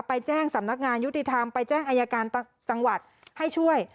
ไปแจ้งสำนักงานยุติธรรมไปแจ้งอายการจังหวัดให้ช่วย